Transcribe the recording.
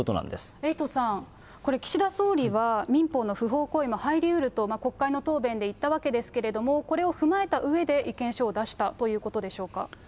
エイトさん、これ、岸田総理は民法の不法行為、入りうると国会の答弁で言ったわけですけれども、これを踏まえたうえで意見書を出したということでしょうか。